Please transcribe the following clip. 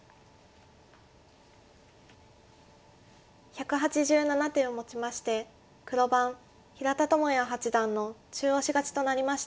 １８７手をもちまして黒番平田智也八段の中押し勝ちとなりました。